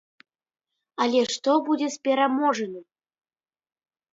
Але што будзе з пераможаным?